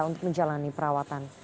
untuk menjalani perawatan